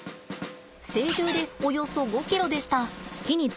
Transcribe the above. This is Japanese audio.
成獣でおよそ５ｋｇでした。